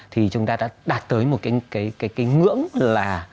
thì chúng ta đã đạt tới một cái ngưỡng là